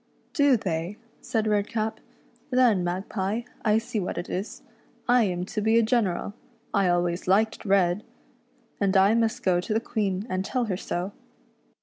"" Do they," said Redcap —" Then, Magpie, I see what it is, I am to be a general — I always liked red — and I must go to the Queen and tell her so."